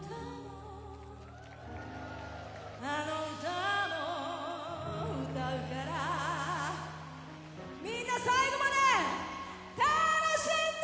「あの歌も歌うからみんな最後まで楽しんでいって！」